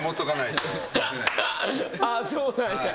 ああそうなんや。